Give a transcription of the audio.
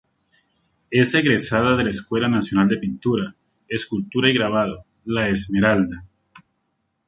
Es egresada de la Escuela Nacional de Pintura, Escultura y Grabado "La Esmeralda".